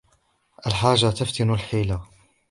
الحاجة تفتق الحيلة.